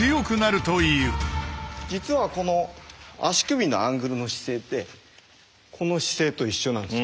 実はこの足首のアングルの姿勢ってこの姿勢と一緒なんです。